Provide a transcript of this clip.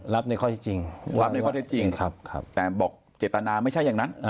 รับในข้อที่จริงแต่บอกเจตนาไม่ใช่อย่างนั้น